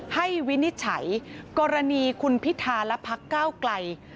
ให้วินิจฉัยกรณีคุณพิทาลพักเก้าไกล